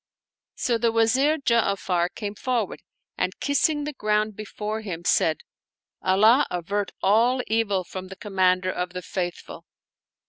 So the Wazir Ja'afar came forward and kissing the ground before him, said, "Allah avert all evil from the Commander of the Faithful